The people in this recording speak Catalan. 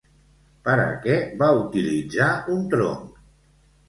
Per a què va utilitzar un tronc?